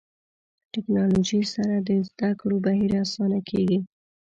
ټکنالوژي سره د زده کړو بهیر اسانه کېږي.